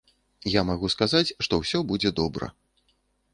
Я магу сказаць, што ўсё будзе добра.